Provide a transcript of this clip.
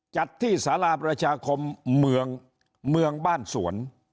จัดที่สาราประชาคมเมืองบ้านสวน